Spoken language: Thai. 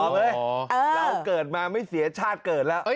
เราเกิดมาไม่เสียชาติเกิดแล้ว